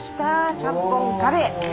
ちゃんぽんカレー。